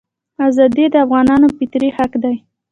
ازادي د افغانانو فطري حق دی.